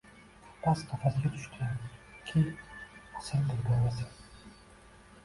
Gumbaz — qafasga tushding, ki asil durdonasan.